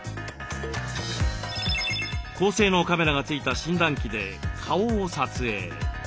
高性能カメラが付いた診断器で顔を撮影。